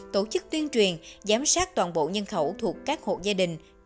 tổ chức tuyên truyền giám sát toàn bộ nhân khẩu thuộc các hộ gia đình